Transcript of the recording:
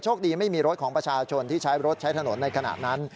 คดีไม่มีรถของประชาชนที่ใช้รถใช้ถนนในขณะนั้น